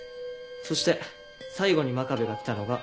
そして最後に真壁が来たのが。